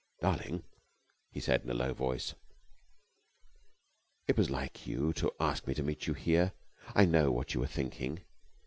"Darling," he said in a low voice, "it was like you to ask me to meet you here. I know what you were thinking.